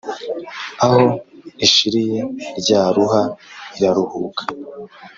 aho ishiriye rya ruha, iraruhuka.